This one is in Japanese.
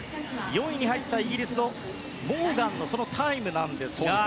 ４位のイギリスのモーガンのタイムですが。